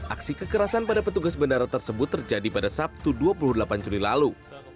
aksi kekerasan pada petugas bandara tersebut terjadi pada sabtu dua puluh delapan juli lalu